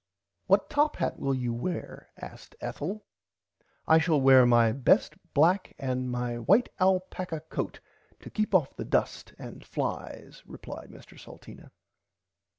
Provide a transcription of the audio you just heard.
What top hat will you wear asked Ethel. I shall wear my best black and my white alpacka coat to keep off the dust and flies replied Mr Salteena.